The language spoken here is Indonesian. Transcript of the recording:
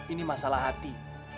ini masalah hati